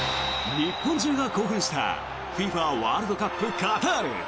日本中が興奮したＦＩＦＡワールドカップカタール。